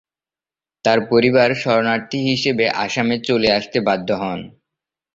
তার পরিবার শরণার্থী হিসেবে আসামে চলে আসতে বাধ্য হন।